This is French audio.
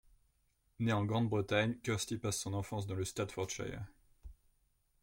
Née en Grande-Bretagne, Kirsty passe son enfance dans le Staffordshire.